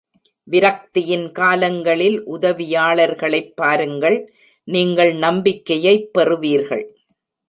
விரக்தியின் காலங்களில், உதவியாளர்களைப் பாருங்கள், நீங்கள் நம்பிக்கையைப் பெறுவீர்கள்.